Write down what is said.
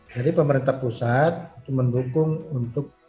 jadi pemerintah pusat mendukung untuk